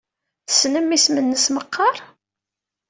Tessnem isem-nnes meqqar?